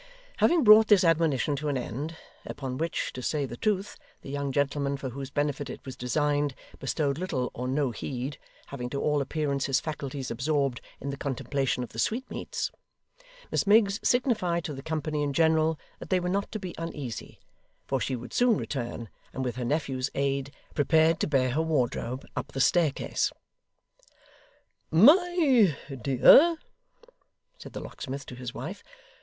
Having brought this admonition to an end upon which, to say the truth, the young gentleman for whose benefit it was designed, bestowed little or no heed, having to all appearance his faculties absorbed in the contemplation of the sweetmeats, Miss Miggs signified to the company in general that they were not to be uneasy, for she would soon return; and, with her nephew's aid, prepared to bear her wardrobe up the staircase. 'My dear,' said the locksmith to his wife.